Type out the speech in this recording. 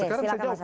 sekarang saya jawab